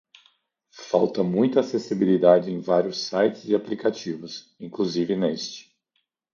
Falta muita acessibilidade em vários sites e aplicativos, inclusive neste aqui.